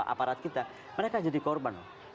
aparat kita mereka jadi korban